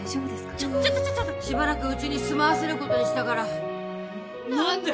ちょっちょっとしばらくうちに住まわせることにしたから何で！？